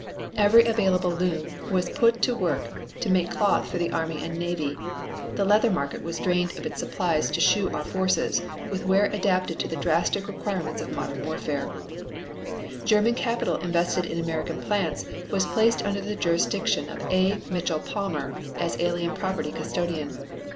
Every available loom was put at work to make cloth for the army and the navy, the leather market was drained of its supplies to shoe our forces with wear adapted to the drastic requirements of modern warfare. German capital invested in American plants was placed under the jurisdiction of A. Mitchell Palmer as Alien Property Custodian.